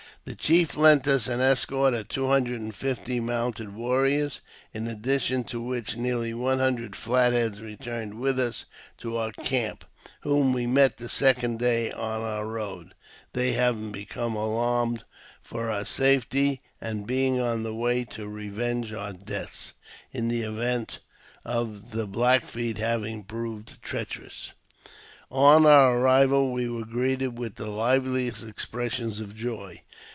The chief lent us an escort of two hundred and fifty mounted warriors, in addition to which nearly one hundred Flat Heads returned with us to our camp, whom we met the second day on our road (they having become alarmed for our safety, and being on the way to revenge our deaths, in the event of the Black Feet having proved treacherous). On our arrival we were greeted with the liveliest expressions of joy.